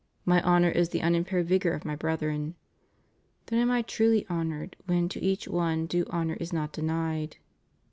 My honor is the unimpaired vigor of My brethren. Then am I truly honored when to each one due honor is not denied."